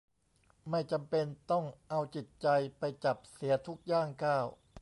ไม่จำเป็นต้องเอาจิตใจไปจับเสียทุกย่างก้าว